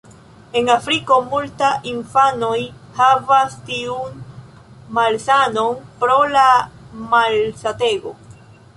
En Afriko multa infanoj havas tiun malsanon pro la malsatego.